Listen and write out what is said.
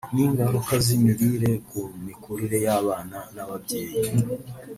n’ingaruka z’imirire ku mikurire y’abana n’ababyeyi